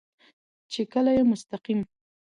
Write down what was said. چې کله يې مستقيم